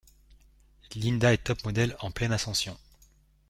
Linda est top model en pleine ascension.